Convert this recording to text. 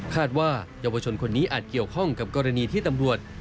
ว่าเยาวชนคนนี้อาจเกี่ยวข้องกับกรณีที่ตำรวจ